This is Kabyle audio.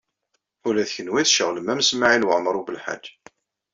Ula d kenwi tceɣlem am Smawil Waɛmaṛ U Belḥaǧ.